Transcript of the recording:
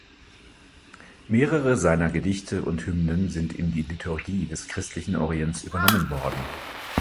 Mehrere seiner Gedichte und Hymnen sind in die Liturgie des Christlichen Orients übernommen worden.